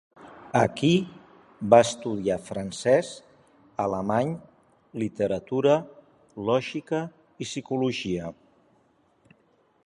Aquí "va estudiar francès, alemany, literatura, lògica i psicologia".